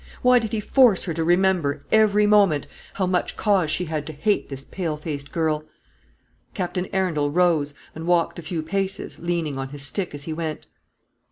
Why did he force her to remember every moment how much cause she had to hate this pale faced girl? Captain Arundel rose, and walked a few paces, leaning on his stick as he went.